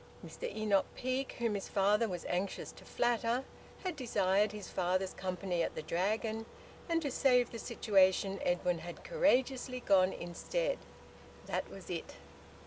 Mr Enoch Peake, whom his father was anxious to flatter, had desired his father's company at the Dragon, and, to save the situation, Edwin had courageously gone instead: that was it.